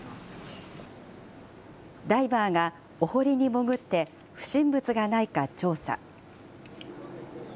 ダイバーがお堀に潜って、不審物がないか調査。